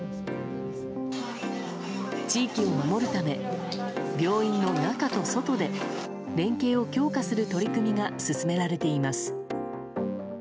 地域を守るため病院の中と外で連携を強化する取り組みが進められています。